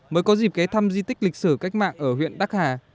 mới có dịp ghe thăm di tích lịch sử cách mạng ở huyện đắc hà